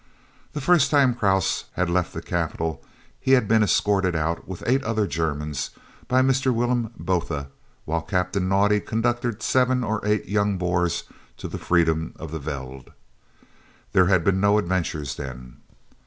The first time Krause had left the capital he had been escorted out, with eight other Germans, by Mr. Willem Botha, while Captain Naudé conducted seven or eight young Boers to the freedom of the veld. There had been no adventures then.